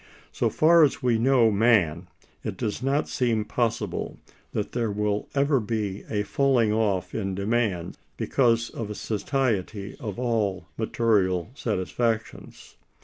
So far as we know man, it does not seem possible that there will ever be a falling off in demand, because of a satiety of all material satisfactions.